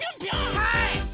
はい！